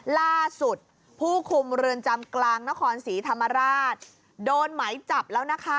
ล่าสุดผู้คุมเรือนจำกลางนครศรีธรรมราชโดนไหมจับแล้วนะคะ